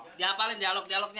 di diapalin dialog dialognya